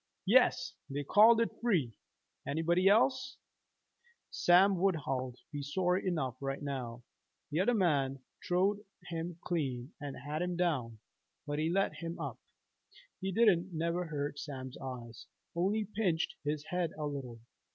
"Yes, they called it free. Anybody else, Sam Woodhull'd be sorry enough right now. T'other man throwed him clean and had him down, but he let him up. He didn't never hurt Sam's eyes, only pinched his head a little.